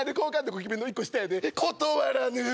ゴキブリの１個下やで断らぬー！